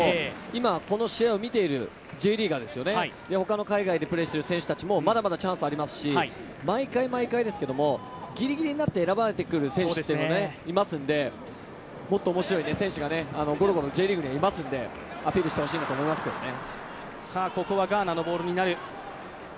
今この試合を見ているＪリーガー、ほかの海外でプレーしている選手たちもまだまだチャンスありますし毎回毎回、ぎりぎりになって選ばれてくる選手もいますので、もっと面白い選手がごろごろＪリーグにはいますのでアピールしてほしいなと思いますけどね。